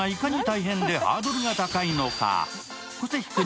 子連れランチがいかに大変でハードルが高いのか。